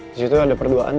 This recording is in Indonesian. di situ ada perduaan